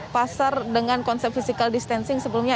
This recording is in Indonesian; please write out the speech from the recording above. pasar dengan konsep physical distancing sebelumnya